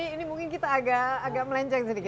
ini mungkin kita agak melenceng sedikit